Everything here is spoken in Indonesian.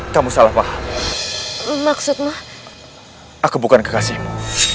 kamu salah paham maksudmu aku bukan kekasihmu